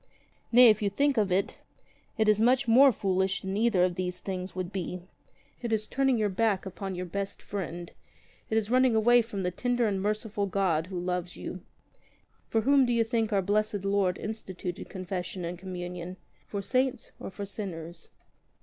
Nay, if you think of it, it is much more foolish than either of these things would be. It is turning your back upon your best friend; it is running away from the tender and merciful God who loves you. For whom do you think our Blessed Lord instituted Confession and Communion — for saints or for sinners?